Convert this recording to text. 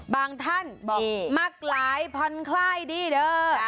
บางท่านบอกมักหลายพันคลายดีเด้อ